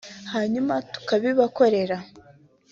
hanyuma tukabibakorera